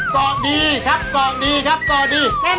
กรอกดีครับกรอกดีครับกรอกดี